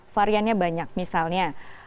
variannya banyak misalnya